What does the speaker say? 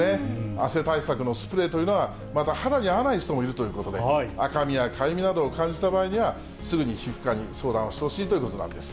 汗対策のスプレーというのは、また肌に合わない人もいるということで、赤みやかゆみなどを感じた場合にはすぐに皮膚科に相談をしてほしいということなんです。